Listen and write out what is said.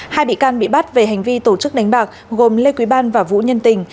hai bị can bị bắt về hành vi tổ chức đánh bạc gồm lê quý ban và vũ nhân tình